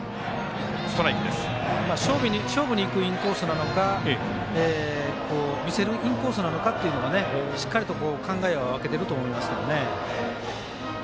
勝負にいくインコースなのか見せるインコースなのかというのが、しっかり考えは分けていると思います。